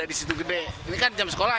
ini kan jam sekolah ya